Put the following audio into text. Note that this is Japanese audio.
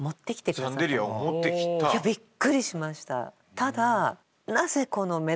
いやびっくりしました。